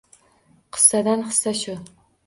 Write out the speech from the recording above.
«Qissadan hissa» shu.